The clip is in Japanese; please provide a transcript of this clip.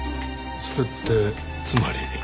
それってつまり。